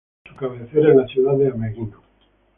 Su cabecera es la ciudad de Ameghino.